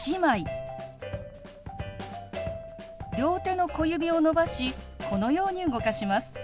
両手の小指を伸ばしこのように動かします。